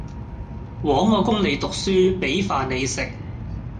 枉我供你讀書，俾飯你食